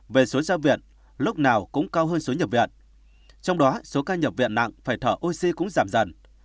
về số gia viện lúc nào cũng cao hơn số nhập viện trong đó số ca nhập viện nặng phải thở oxy cũng giảm dần